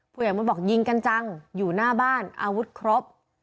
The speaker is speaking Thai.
ผู้ใหญ่มดบอกยิงกันจังอยู่หน้าบ้านอาวุธครบ